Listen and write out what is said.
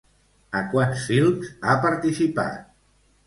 A quants films ha participat?